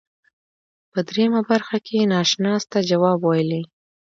په دریمه برخه کې ناشناس ته جواب ویلی.